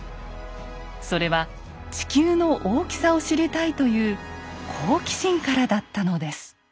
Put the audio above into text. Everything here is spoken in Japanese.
それは地球の大きさを知りたいという好奇心からだったのです。